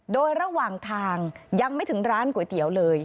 โดยระหว่างทางยังไม่ถึงร้านก๋วยเตี๋ยวเลย